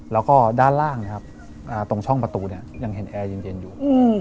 แล้วก็ด้านล่างนะครับตรงช่องประตูยังเห็นแอร์เย็นอยู่